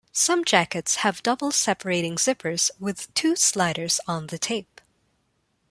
Some jackets have double-separating zippers with two sliders on the tape.